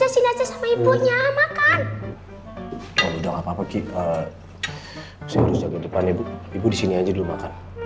saya harus jaga depannya ibu ibu disini aja dulu makan